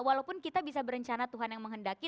walaupun kita bisa berencana tuhan yang menghendaki